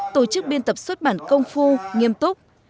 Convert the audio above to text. tổ chức biên tập xuất bản công phu nghiêm túc